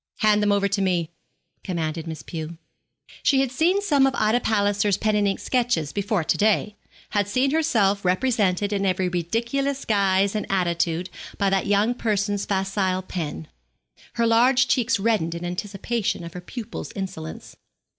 'Hand them over to me,' commanded Miss Pew. She had seen some of Ida Palliser's pen and ink sketches before to day had seen herself represented in every ridiculous guise and attitude by that young person's facile pen. Her large cheeks reddened in anticipation of her pupil's insolence.